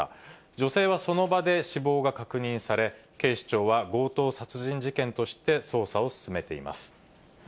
女性はその場で死亡が確認され、警視庁は強盗殺人事件として捜査を進めています。